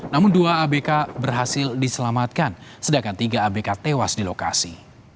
namun dua abk berhasil diselamatkan sedangkan tiga abk tewas di lokasi